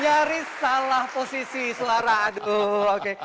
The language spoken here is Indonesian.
nyaris salah posisi suara aduh oke